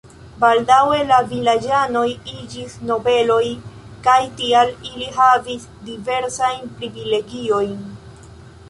Baldaŭe la vilaĝanoj iĝis nobeloj kaj tial ili havis diversajn privilegiojn.